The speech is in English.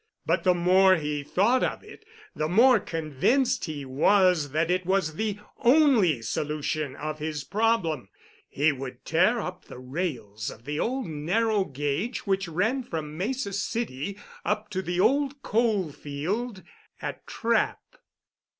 But the more he thought of it, the more convinced he was that it was the only solution of his problem. He would tear up the rails of the old narrow gauge which ran from Mesa City up to the old coal field at Trappe.